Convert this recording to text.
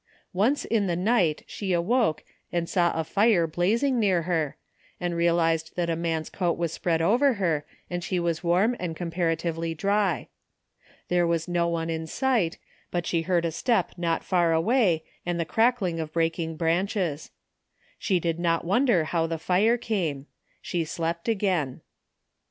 Once in the night she awoke and saw a fire blazing near her, and realized that a man's coat was spread over her and she was warm and com paratively dry. There was no one in sight, but she heard a step not far away and the crackling of breaking branches. She did not wonder how the fire came. She slept again.